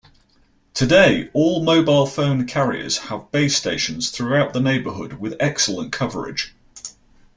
Today, all mobile phone carriers have base stations throughout the neighbourhood, with excellent coverage.